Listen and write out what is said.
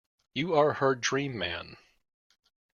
You are her dream man.